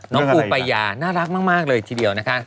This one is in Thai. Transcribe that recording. ปูปายาน่ารักมากเลยทีเดียวนะคะ